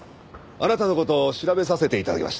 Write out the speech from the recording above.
あなたの事調べさせて頂きました。